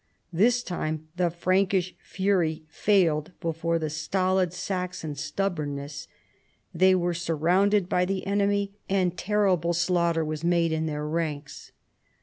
This time the Frankish fury failed before the stolid Saxon stubbornness. They were sur rounded by the enemy, and terrible slaughter was THE CONVERSION OF THE SAXONS. 153 made in their ranks.